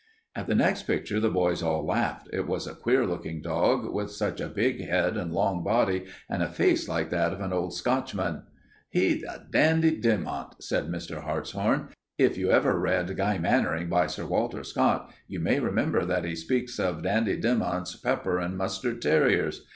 At the next picture the boys all laughed. It was such a queer looking dog, with such a big head and long body, and a face like that of an old Scotchman. "He's a Dandie Dinmont," said Mr. Hartshorn. "If you ever read 'Guy Mannering' by Sir Walter Scott, you may remember that he speaks of Dandie Dinmont's pepper and mustard terriers.